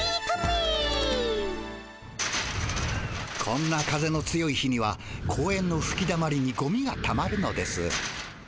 こんな風の強い日には公園のふきだまりにゴミがたまるのです。